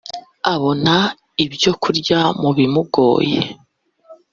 abona ibyo kurya mu bimugoye